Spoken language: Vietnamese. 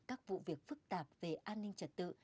các vụ việc phức tạp về an ninh trật tự